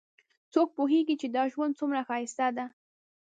څوک پوهیږي چې دا ژوند څومره ښایسته ده